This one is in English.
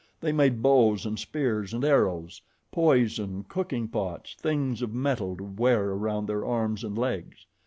They made bows and spears and arrows, poison, cooking pots, things of metal to wear around their arms and legs.